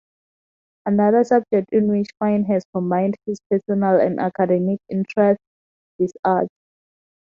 Another subject in which Fine has combined his personal and academic interests is art.